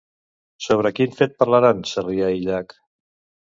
Sobre quin fet parlaran Sarrià i Llach?